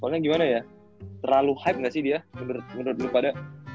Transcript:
soalnya gimana ya terlalu hype gak sih dia menurut daripada